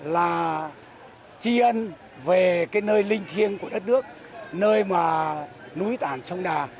là tri ân về nơi linh thiêng của đất nước nơi núi tản sông đà